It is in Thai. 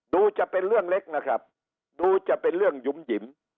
จะเป็นเรื่องเล็กนะครับดูจะเป็นเรื่องหยุ่มหยิม